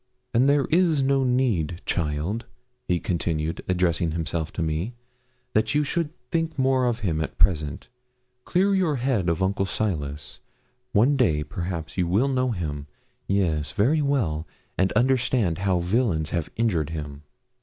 'And there is no need, child,' he continued, addressing himself to me, 'that you should think more of him at present. Clear your head of Uncle Silas. One day, perhaps, you will know him yes, very well and understand how villains have injured him.